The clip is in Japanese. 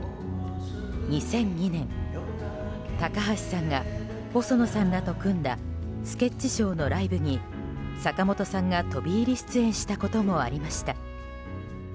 ２００２年高橋さんが細野さんらと組んだＳＫＥＴＣＨＳＨＯＷのライブに坂本さんが飛び入り出演したこともありました。